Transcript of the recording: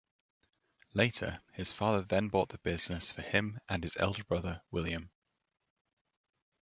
Later, his father then bought the business for him and his elder brother, William.